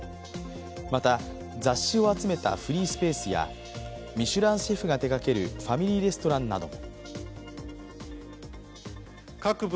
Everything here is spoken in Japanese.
また、雑誌を集めたフリースペースやミシュランシェフが手がけるファミリーレストランなども。